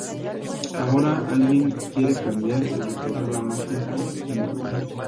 Ahora, alguien quiere cambiar y restaurar la magia en su legítimo lugar.